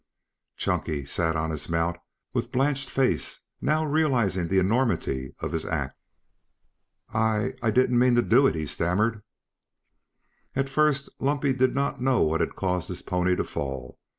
Chunky sat on his mount with blanched face, now realizing the enormity of his act. "I I didn't mean to do it," he stammered. At first Lumpy did not know what had caused his pony to fall.